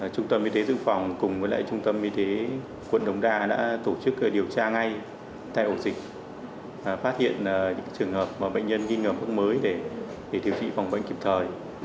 trung tâm y tế dự phòng cùng với lại trung tâm y tế quận đông đa đã tổ chức điều tra ngay tại ổ dịch phát hiện những trường hợp mà bệnh nhân ghi nhận mức mới để thiếu trị phòng bệnh kịp thời